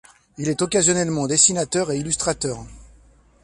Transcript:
Il est occasionnellement dessinateur et illustrateur.